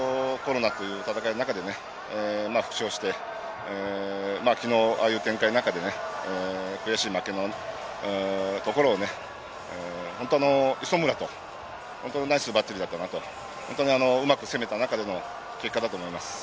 九里も本当、コロナという戦いの中で復調して、ああいう展開の中で、悔しい負けのところを磯村とナイスバッテリーだったなと、うまく攻めた中での結果だと思います。